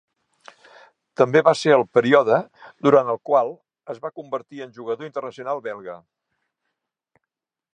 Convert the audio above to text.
També va ser el període durant el qual es va convertir en jugador internacional belga.